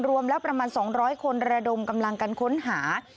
รวมแล้วประมาณ๒๐๐คนระดมกำลังกันค้นหา